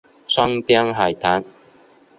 川滇海棠